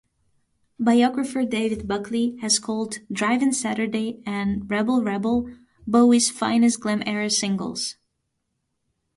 Biographer David Buckley has called "Drive-In Saturday" and "Rebel Rebel" Bowie's "finest glam-era singles".